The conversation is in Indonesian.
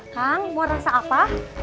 kang mau rasa apa